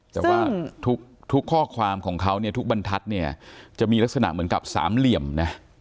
แต่ว่าทุกข้อความของเขาเนี่ยทุกบรรทัศน์เนี่ยจะมีลักษณะเหมือนกับสามเหลี่ยมนะ